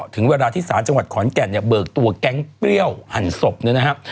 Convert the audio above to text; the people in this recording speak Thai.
ถึงเวลาที่ศาลจังหวัดขอนแก่นเนี่ยเบิกตัวแก๊งเปรี้ยวหั่นศพเนี่ยนะครับ